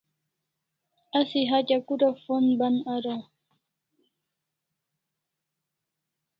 Asi hatya kura phond ban araw?